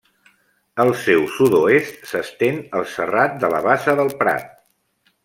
Al seu sud-oest s'estén el Serrat de la Bassa del Prat.